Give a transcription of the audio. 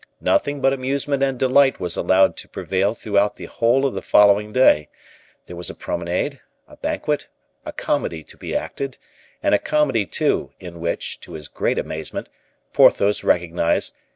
Nothing but amusement and delight was allowed to prevail throughout the whole of the following day; there was a promenade, a banquet, a comedy to be acted, and a comedy, too, in which, to his great amazement, Porthos recognized "M.